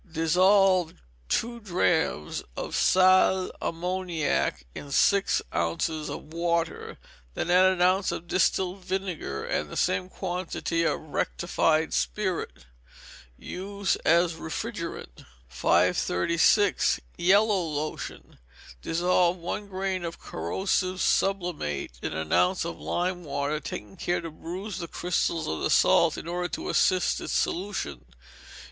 Dissolve two drachms of sal ammoniac in six ounces of water, then add an ounce of distilled vinegar and the same quantity of rectified spirit. Use as a refrigerant. 536. Yellow Lotion. Dissolve one grain of corrosive sublimate in an ounce of lime water, taking care to bruise the crystals of the salt in order to assist its solution.